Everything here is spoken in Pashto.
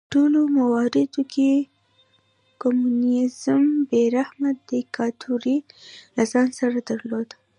په ټولو مواردو کې کمونېزم بې رحمه دیکتاتورۍ له ځان سره درلود.